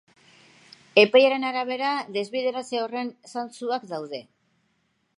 Epailearen arabera, desbideratze horren zantzuak daude.